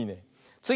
つぎ！